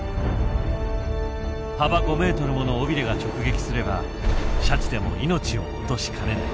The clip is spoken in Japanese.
幅５ｍもの尾びれが直撃すればシャチでも命を落としかねない。